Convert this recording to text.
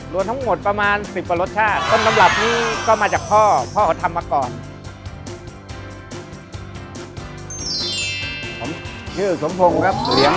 รวมทั้งหมดประมาณ๑๐ปรสชาติ